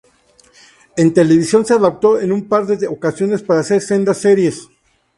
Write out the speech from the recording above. En televisión se adaptó en un par de ocasiones para hacer sendas series.